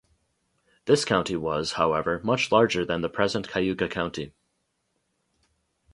This county was, however, much larger than the present Cayuga County.